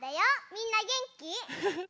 みんなげんき？